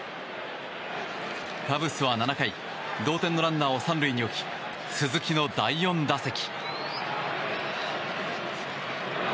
カブスは７回同点のランナーを３塁に置き鈴木の第４打席。